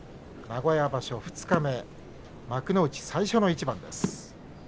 名古屋場所二日目幕内最初の一番です。